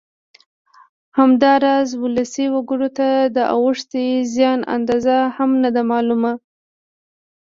همداراز ولسي وګړو ته د اوښتې زیان اندازه هم نه ده معلومه